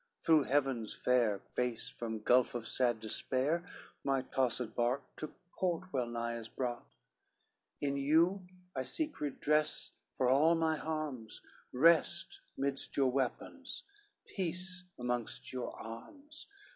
Through heaven's fair face from gulf of sad despair My tossed bark to port well nigh is brought: In you I seek redress for all my harms, Rest, midst your weapons; peace, amongst your arms.